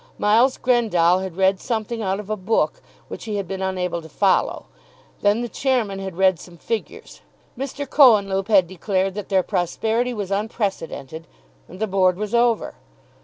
Miles Grendall had read something out of a book which he had been unable to follow. Then the chairman had read some figures. Mr. Cohenlupe had declared that their prosperity was unprecedented; and the Board was over.